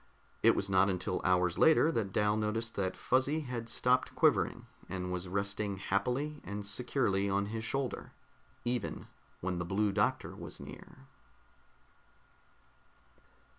It was not until hours later that Dal noticed that Fuzzy had stopped quivering, and was resting happily and securely on his shoulder even when the Blue Doctor was near.